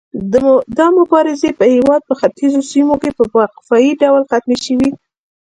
دا مبارزې په هیواد په ختیځو سیمو کې په وقفه يي ډول ختمې شوې.